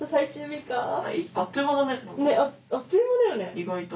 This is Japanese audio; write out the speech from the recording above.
意外と。